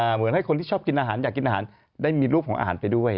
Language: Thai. เหมือนให้คนที่ชอบกินอาหารอยากกินอาหารได้มีรูปของอาหารไปด้วย